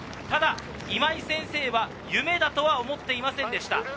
ただ今井先生は夢だとは思っていませんでした。